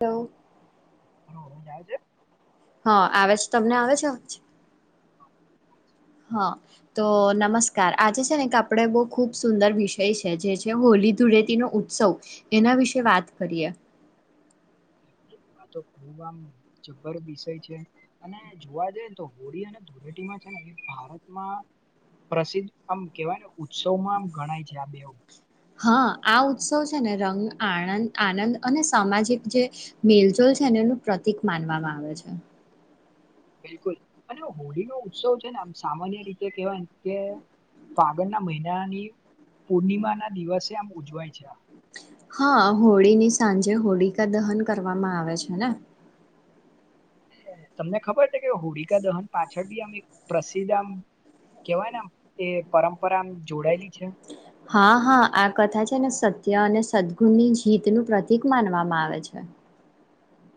હાલો [unintelligible] હા આવે છે તમને આવે છે [unintelligible] હા તો નમસ્કાર આજે છે ને આપણે બહુ ખુબ સુંદર વિષય છે જે છે હોલી ધૂળેટી નો ઉત્સવ એના વિશે વાત કરીએ બિલકુલ આ તો ખબ આમ જબ્બર વિષય છે અને જોવા જઈને તો હોળી અને ધોળટી ભારતમાં પ્રસિદ્ધ આમ કેવાય ને ઉત્સવમાં આમ ગણાય છે આ બે હા આ ઉત્સવ છે ને રંગ આનંદ આનંદ અને સામાજિક જે મેલજોલ છે નું પ્રતિક માનવામાં આવે છે બિલકુલ અને હોળી નો ઉત્સવ છે ને આમ સામાન્ય રીતે કેહેવાય કે ફાગણના મહિનાની પૂર્ણિમા ના દિવસે આમ ઉજવાય છે હા હોળીની સાંજે હોળિકા દહન કરવામાં આવે છે ને તમને ખબર છે કે હોળીકાા દહન પાછ સત્યાવીસ પ્રસિદધ આમ કેવાય ને આમ એ પરંપરામ જોડાયેલી છે હા હા આ કથા છે ને સત્ય અને સદગુણની જીતનું પ્રતિક માનવામાં આવે છે [inaudible]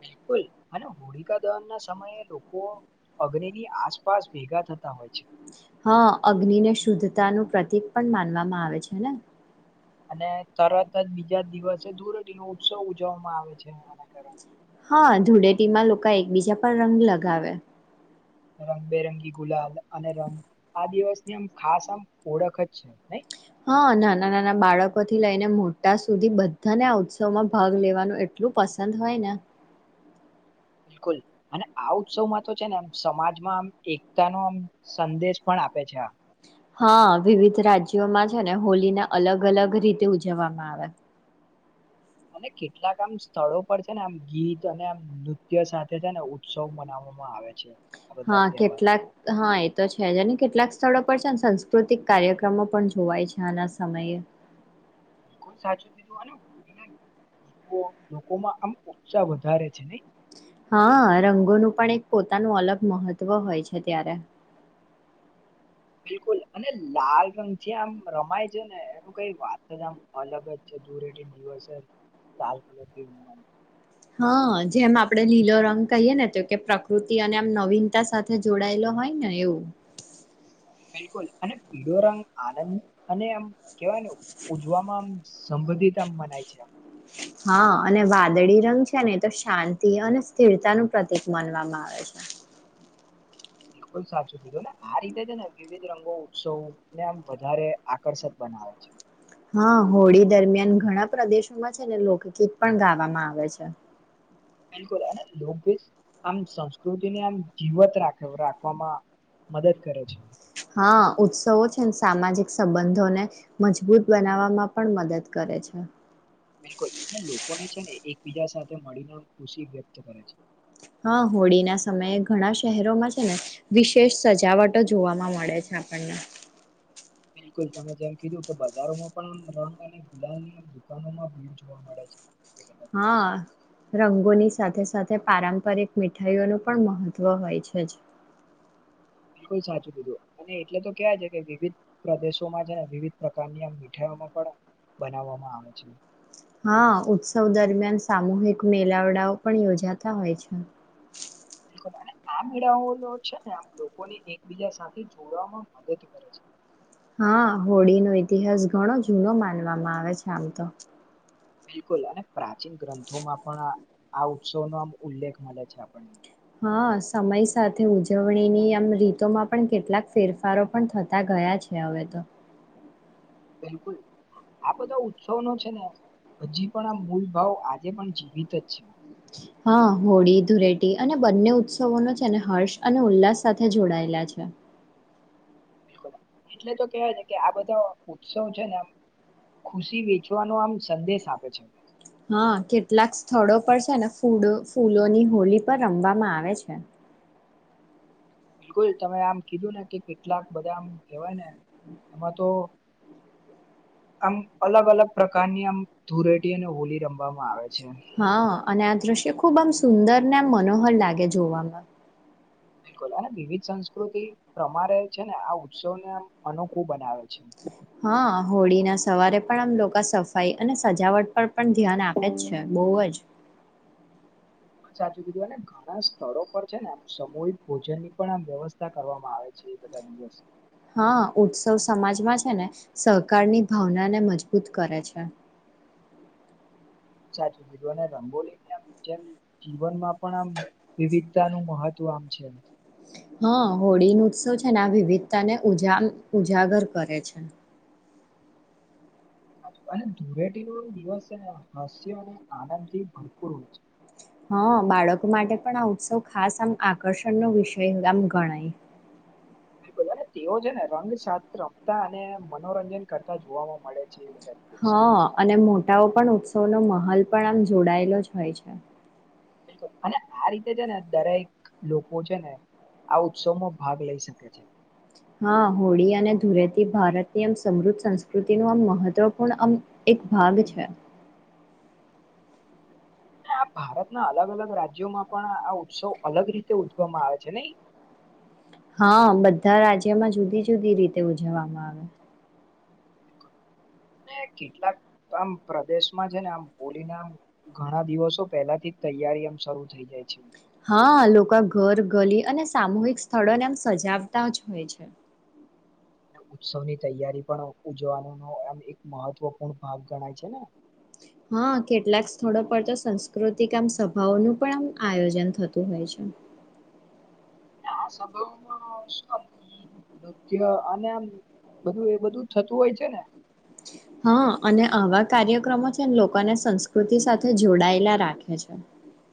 બિલકુલ અને હોળિકા દહન ના સમયે લોકો અગ્નિની આસપાસ ભેગા થાય હોય છે હા અગ્નિ ને શુદ્ધતા નું પ્રતિક પણ માનવામાં આવે છે ને અને તરત જ બીજા દિવસે ધૂરટી નો ઉત્સવ ઉજવવામાં આવે છે આના કારણે હા ધૂળેટીમાં લોકો એકબીજા પર રંગ લગાવે રંગબેરંગી ગુલાલ અને રંગ આ દિવસની આમ ખાસ આમ ઓળખ જ છે નહી હા નાના નાના બાળકો થી લઈને મોટા સુધી બધાને આ ઉત્સવ માં ભાગ લેવાનું એટલું એટલું પસંદ હોય ને બિલકુલ અને આ ઉત્સવમાં તો છે ને એમ સમાજમાં આમ એકતા નો આમ સંદેશ પણ આપે છે હા વિવિધ રાજ્યોમાં છે ને હોલીને અલગ અલગ રીતે ઉજવવામાં આવે અને કેટલાક આમ સ્થળો પર છે ને આમ ગીત અને આમ નૃત્ય સાથે છે ને ઉત્સવ મનાવ આવે છે આ બધા હા તહેવારો કેટલાક હા એ તો છે છેજને કેટલાક સ્થળો પર છે સાંસ્કૃતિક કાર્યક્રમો પણ જોવાય છે આના સમયે હમ બિલકુલ સાચું કીધું આનું લોકોમાં આમ ઉત્સાહ વધારે છે નઈ? હા રંગોનું પણ એક પોતાનું અલગ મહત્વ હોય છે ત્યારે. [inaudible] બિલકુલ અને લાલ રંગ જે આમ રમાય છે ને એનું કઈ વાત જ આમ અલગ જ છે. દૂ રટી દિવસ જ લાલ કલર થી ઉમાની હા જેમ આપડે લીલો રંગ કહીય ને તો કે પ્રકૃતિ અને આમ નવીનતા સાથે જોડાયેલો હોય ને એવું. બિલકુલ અને પીળો રંગ આનંદ અને આમ કેવાયને ઉજવામાં આમ સંબંધિત મ મનાય છે. હા અને વાદળી રંગ છે ને તો શાંતિ અને સ્થિરતા નું પ્રતિક માનવામાં આવે છે. [inaudible] બિલકુલ સાચું કીધું ને આ રીતે છે ને વિવિધ રંગો ઉત્સવો ને આમ વધારે આકર્ષક બને [unintelligible] હા હોળી દરમિયાન ઘણા પ્રદેશોમાં છે ને લોકગીત પણ ગાવામાં આવે છે. બિલકુલ અને લોકભ આમ સંસ્કૃતિને આમ જીવત રાખ રાખવામાં મદદ કરે છે. હા ઉત્સવો છે સામાજિક સંબંધોને મજબૂત બનાવવામાં પણ મદદ કરે છે. બિલકુલ અને લોકોને છે ને એકબીજા સાથે મળીને ખુશી વ્યક્ત કરે છે. હા હોળી ના સમયે ઘણા શહેરોમાં છે ને વિશેષ સજાવટો જોવાવામાં મળે છે. [inaudible] બિલકુલ તમે જેમ કીધું કે બજારોમાં પણ રંગ અને ગુલાલની આમ દુકાનોમાં ભીડ જોવા મળે છે. એ બધા હા રંગોની સાથે- સાથે પારંપરિક મીઠાઈઓનું પણ મહત્વ હોય છે જ. બિલકુલ સાચું કીધું અને એટલે તો ક્યાવા છે કે વિવિધ પ્રદેશોમાં છે ને વિવિધ પ્રકારની આ મીઠાઈઓ બનાવા માં આવે છે. હા ઉત્સવ દરમિયાન સામૂહિક મેલાવડાઓ પણ યોજાતા હોય છે. [inaudible] બિલકુલ અને આ મેળાઓ છે ને આમ લોકોને એકબીજા સાથે જોડવામાં મદદ કરે છે. હા હોળીનો ઇતિહાસ ઘણો જૂનો માનવામાં આવે છે આમ તો બિલકુલ અને પ્રાચીન ગ્રંથોમાં પણ આ ઉત્સવનો આમ ઉલ્લેખ મળે છે આપણને હા સમય સાથે ઉજવણીની આમ રીતોમાં પણ કેટલાક ફેરફારો પણ થતા ગ ગયા છે હવે તો. બિલકુલ. આ બધા ઉત્સવનો છે ને હજી પણ આ મૂલ ભાવ આજે પણ જીવિત જ છે હા હોળી ધુરેટી અને બંને ઉત્સવો ન છે અને હર્ષ અને ઉલ્લાસ સાથે જોડાયેલા છે. અચ્છા [unintelligible] બિલકુલ એટલે તો કેવાય છે કે આ બધા ઉત્સવ છે ને આમ ખુશી વેચવાનો આમ સંદેશ આપે છે. હા કેટલાક સ્થળો પર છે ને ફૂ ફૂલોની હોળ પર રમવામાં આવે છે. બિલકુલ તમે આમ કીધું ને કે કેટલાક બધા આમ કેવાય ને એમાં તો [unintelligible] આમ અલગ- અલગ પ્રકારની આમ ધુરેટી અને હોલી રમ હા અને આ દ્રશ્ય ખુબ આમ સુંદર ને આમ મનોહર લાગે જોવામાં બિલકુલ અને વિવિધ સંસ્કૃતિ પ્રમારે છે ને આ ઉત્સવને અનોખું બનાવે છે. હા હોળી ના સવારે પણ આમ લોકો સફાઈ અને સજાવટ પર પણ ધ્યાન આપે જ છે. બહુ જ બ સાચું બીધુંને ઘણા સ્થળો પર છે ને આમ સમૂહિક ભોજન ની પણ આમ વ્યવસ્થા કરવામાં આવે છે. બધાની બસ હા ઉત્સવ સમાજમાં છે ને સહકારની ભાવનાને મજબૂત કરે છે. સાચું કીધું અને રંગોલીને આમ જેમ જીવનમાં પણ આમ વિવિધતાનુંું મહત્વ કામ છે. હા હોળી નો ઉત્સવ છે ને આ વિવિધતાને ઉજ ઉજાગર કરે છે. સાચું અને ધૂળેટી નો દિવસ છે ને હાસ્યો અને આનંદથી ભરપૂર હોય છે. હા બાળકો માટે પણ આ ઉત્સવ ખાસ આમ આકર્ષણ નો વિષય આમ ગણાય હ [unintelligible] બિલકુલ અને તેઓ છે ને રંગ સાથે રમતા અને મનોરંજન કરતા જોવાવામાં મળે છે. બધા દિવસ હા અને મોટાઓ પણ ઉત્સવનો માહોલ પણ આમ જોડાયેલો જ હોય છે. બિલકુલ અને આ રીતે છે ને દરેક લોકો છે ને આ ઉત્સવમાં ભાગ લઈ શકે છે. હા હોળી અને ધૂરેથી ભારતની આમ સમૃદ્ધ સંસ્કૃતિ ન આમ મહત્વપૂર્ણ આમ એક ભાગ છે. અને આ ભારતના અલગ અલગ રાજ્યોમાં પણ આ ઉત્સવ અલગ રીતે ઉજવામાં આવે છે નને હા બધા રાજ્યમાં જુદી જુદી રીતે ઉજવવામાં આવે બિલકુલ [unintelligible] અને કેટલાક આમ પ્રદેશમાં છે ને આમ હોલી ના આમ ઘણા દિવસો પહેલાથી તૈયારી આમ શરૂ થઇ જાય છે. હા લોકો ઘર ગલી અને સામૂહિક સ્થળોને એમ સજાવતા જ હોય છે. અને ઉત્સવની તૈયારી પણ ઉજવાનું ન એમ એક મહત્વપૂર્ણ ભાગ ગણાય છે ને હ [unintelligible] હા કેટલાક સ્થળો પર તો સાસ્કૃતિક આમ સભાઓનું પણ આમ આયોજન થતું હોય છે. [inaudible] આ સ્ભાવમાં શું આમ નૃત્ય અને આમ બધું એ બધું થતું હોય છે ને હા અને આવા કાર્યક્રમો છે લોકોને સંસ્કૃતિ સાથે જોડાયેલા રાખે છે. અચ્છા [unintelligible]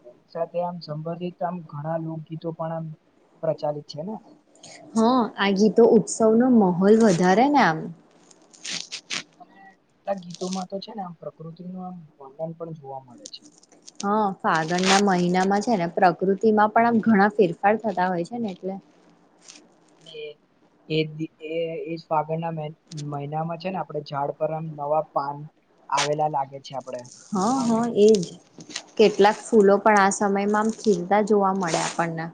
હોની સાથે આમ સંબંધિત આમ ઘણા લોકગીતો પણ આમ પ્રચાલિત છે ને હા આ ગીતો ઉત્સવનોો માહોલ વધારે ને આમ અને કેટલાક ગીતોમાં તો છે ને આમ પ્રકૃતિ ન આમ વર્ણન પણ જોવા મળે છે. હા ફાગણના મહિનામાં છે ને પ્રકૃતિમાં પણ આમ ઘણા ફેરફાર થતા હોય છે ને એટલે હ [unintelligible] અને હ [unintelligible] એ એ ફગળના મહિનામાં છે ને આપણે ઝાડ પરમ નવા પાન આવેલા લાગે છે આપડે હા હા એજ. કેટલાક ફૂલો પણ આ સમયમાં આમ ખીલતા જોવા મળે આપણને.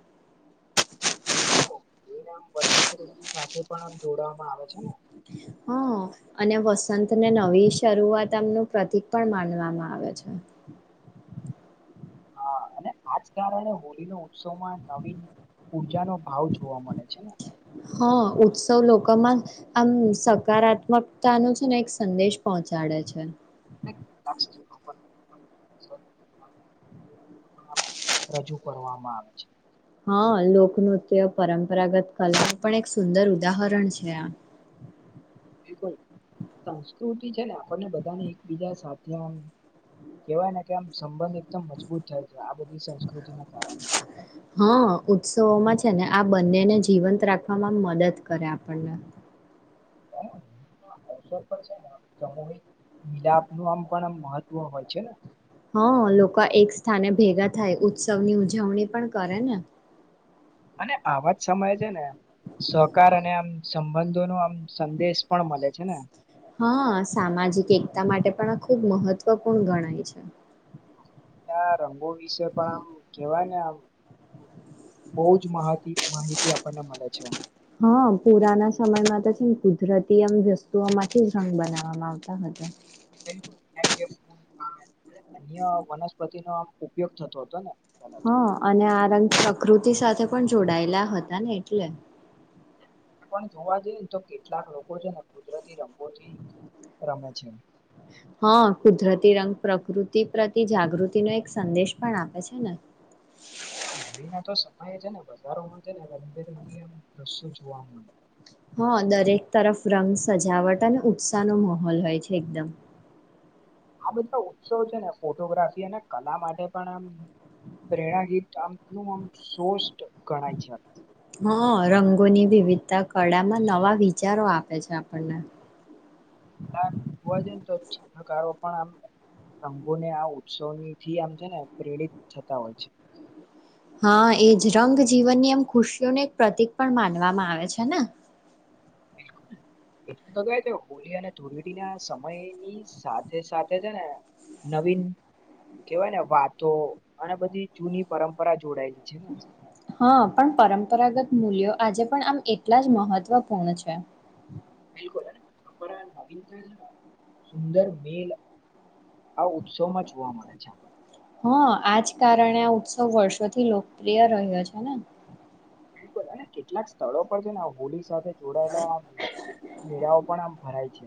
વસંતઋતુ સાથે પણ જોડવામાં આવે છે ને. હ, અને વસંતને નવી શરૂઆતમનું પ્રતિક પણ માનવામાં આવે છે. [inaudible] હા [inaudible] અને આજ કારણે હોળીનો ઉત્સવમાં નવીન ઉર્જાનોો ભાવ જોવા મળે છે ને. હા, ઉત્સવ લોકોમાં આમ સકારાત્મકતાનો છે ને એક સંદેશ પહોંચે. કાઢે છે. કેટલાક સ્થળો પર રજૂ કરવામાં આવે છે. હા લોકનૃત્ય પરંપરાગત કલાનું પણ એક સુંદર ઉદાહરણ છે આ. [unintelligible] બિલકુલ, સંસ્કૃતિ છે ને આપણને બધાને એકબીજા સાથે કેવાય ને કે, આમ સંબંધિત એકમ મજબૂત થાય છે આ બધી સંસ્કૃતિના કારણે. છેને આ બંનેને જીવંત રાખવામાં મદદ કરે આપડને. [unintelligible] અવસર પણ છે ને સમૂહિક મિલાપનું આમ પણ આમ મહત્વ હોય છે ને? હન, લોકો એક સ્થાને ભેગા થાય ઉત્સવની ઉજવણી પણ કરે ને. અને આવા જ સમયે છે ને, સહકાર અને આમ સંબંધ તો એનો આમ સંદેશ પણ મલે છે ને. હન, સામાજિક એકતા માટે પણ આ ખૂબ મહત્વપૂર્ણ ગણાય છે. ના, રંગો વિશે પણ આમ કેવાય ને આમ. બઉ જ માહાકી માહિતી આપડને મલે છે એમ. હન, પુરાના સમયમાં તો છેન કુદરતી એમ વસ્તુઓમાંથી જ રંગ બનાવવામાં આવતા હતા. બિલકુલ, જેમ કે [unintelligible] અને અન્ય વનસ્પતિનો આમ ઉપયોગ થતો હતો ને. પેલા હન, તો અને આ રંગ પ્રકૃતિ સાથે પણ જોડાયેલા હતા ને એટલે. પણ જોવા જઈએ ને તો કેટલાક લોકો છે ને કુદરતી રંગોથી રમે છે. હન, કુદરતી રંગ પ્રકૃતિ પ્રતિ જાગૃતિનો એક સંદેશ પણ આપે છે ને. [inaudible] હોળીના તો સમયે છે ને, બજારોમાં છે ને રંગબેરંગી આમ દ્રશ્યો જોવા મળે. હન, દરેક તરફ રંગ સજાવટ અને ઉત્સાહનો માહોલ હોય છે એકદમ. આ બધા ઉત્સવ છે ને, ફોટોગ્રાફી અને કલા માટે પણ આમ પ્રેરણા ગીત આમ કેવું આમ સોષ્ટ હન, રંગોની વિવિધતા કળામાં નવા વિચારો આપે છે આપણને. બાર જોવા જઈએન તો ચિત્રકારો પણ આમ રંગોની આ ઉત્સવનીથી આમ છે ને પ્રેરિત થતા હોય છે. હન, એજ રંગ જીવનની એમ ખુશીઓનું એક પ્રતિક પણ માનવામાં આવે છે ને. [inaudible] બિલકુલ એટલે તો કહી દઉં. હોલી અને ધુલેટીના સમયની સાથે સાથે છે ને નવીન કેવાયને વાતો અને બધી જૂની પરંપરા જોડાય છેને. હન, પણ પરંપરાગત મૂલ્યો આજે પણ આમ એટલા જ મહત્વપૂર્ણ છે. બિલકુલ, અને પરંપરા નવીનતા છે ન સુંદર મેલ આ ઉત્સવમાં જોવા મળે છે આપડને. હા આજ કારણે આ ઉત્સવ વર્ષોથી લોકપ્રિય રહ્યો છે ને. બિલકુલ અને કેટલાક સ્થળો પર છે ને હોલી સાથે જોડાયેલા મેળાઓ પણ આમ ભરાય છે.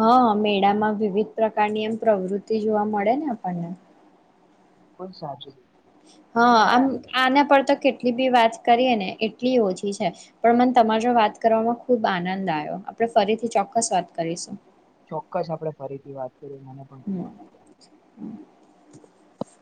હન, મેળામાં વિવિધ પ્રકારની એમ પ્રવૃતિ જોવા મળે ને આપણને. પણ સાચું કીધું. હન, અને આમ આના પરતો કેટલી બી વાત કરીએ ને એટલી ઓછી છે. પણ મને તમાર જોડ વાત કરવામાં ખુબ આનંદ આયો. આપડે ફરીથી ચોક્કસ વાત કરીશું. ચોક્કસ આપડે ફરીથી વાત કરીએ. મને પણ ખુબ હમ. આનંદ આયો. [inaudible]